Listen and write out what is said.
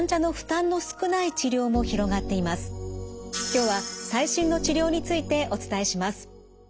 今日は最新の治療についてお伝えします。